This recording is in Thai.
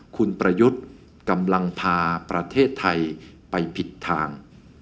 คุณประยุทธ์กำลังพาประเทศไทยไปผิดทาง